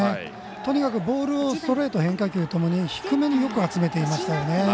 とにかくボールをストレート、変化球ともに低めによく集めていましたね。